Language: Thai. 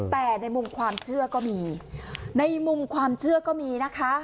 แต่ในมุมความเชื่อก็มีในมุมความเชื่อก็มีนะคะ